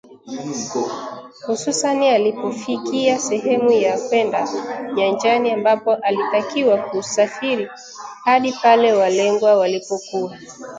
hususan alipofikia sehemu ya kwenda nyanjani ambapo alitakiwa kusafiri hadi pale walengwa walipokuwa